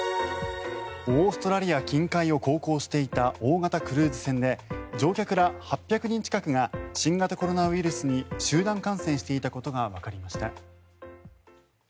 オーストラリア近海を航行していた大型クルーズ船で乗客ら８００人近くが新型コロナウイルスに集団感染していたことがわかりました。